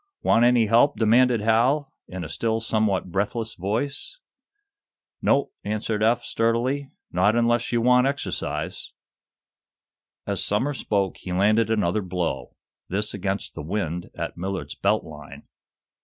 "Want any help?" demanded Hal, in a still somewhat breathless voice. "Nope!" answered Eph, sturdily. "Not unless you want exercise." As Somers spoke he landed another blow, this against the "wind" at Millard's belt line.